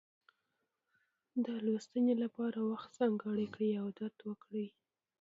د لوستنې لپاره وخت ځانګړی کړئ او عادت وکړئ.